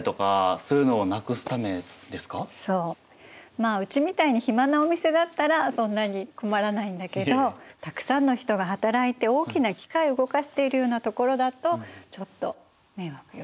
まあうちみたいに暇なお店だったらそんなに困らないんだけどたくさんの人が働いて大きな機械を動かしているようなところだとちょっと迷惑よね。